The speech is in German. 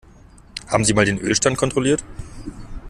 Haben Sie mal den Ölstand kontrolliert?